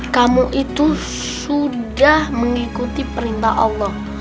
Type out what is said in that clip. kamu itu sudah mengikuti perintah allah